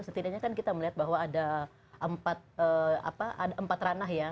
setidaknya kan kita melihat bahwa ada empat ranah ya